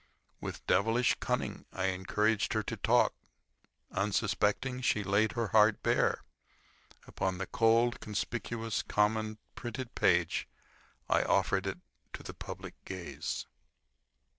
With devilish cunning I encouraged her to talk. Unsuspecting, she laid her heart bare. Upon the cold, conspicuous, common, printed page I offered it to the public gaze.